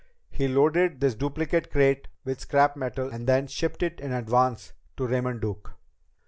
He loaded this duplicate crate with scrap metal and shipped it in advance to Raymond Duke.